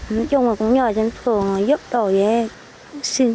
nói chung là cũng nhờ anh phương giúp đỡ dễ sinh